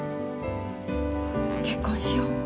結婚しよう。